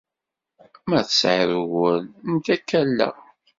Ma tesɛid uguren, nekk ad k-alleɣ.